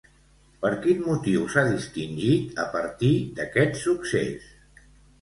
Per quin motiu s'ha distingit a partir d'aquest succés?